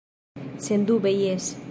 Sendube jes.